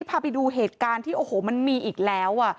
พาไปดูเหตุการณ์ที่โอ้โหมันมีอีกแล้ว